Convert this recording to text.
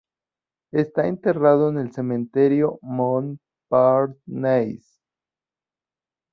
Está enterrado en el cementerio Montparnasse.